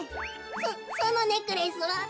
そそのネックレスは？